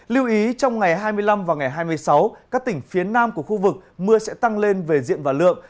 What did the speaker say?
lưu ý trong ngày hai mươi năm và ngày hai mươi sáu các tỉnh phía nam của khu vực mưa sẽ tăng lên về diện và lượng